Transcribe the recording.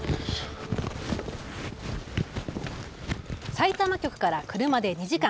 さいたま局から車で２時間。